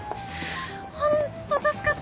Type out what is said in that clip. ホント助かったわ。